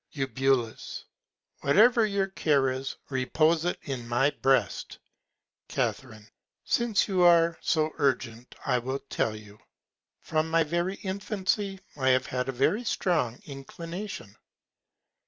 Eu. Whatever your Care is, repose it in my Breast. Ca. Since you are so urgent, I will tell you. From my very Infancy I have had a very strong Inclination.